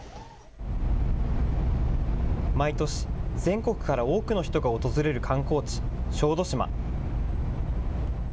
毎年、全国から多くの人が訪れる観光地、小豆島。